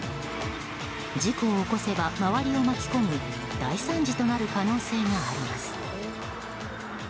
事故を起こせば周りを巻き込む大惨事となる可能性があります。